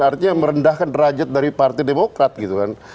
artinya merendahkan derajat dari partai demokrat gitu kan